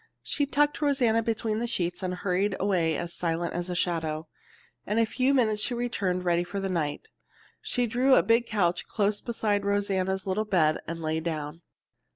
She tucked Rosanna between the sheets, and hurried away as silent as a shadow. In a few minutes she returned, ready for the night. She drew a big couch close beside Rosanna's little bed and lay down.